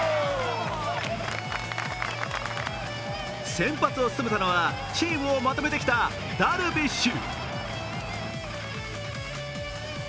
先発を務めたのはチームをまとめてきたダルビッシュ。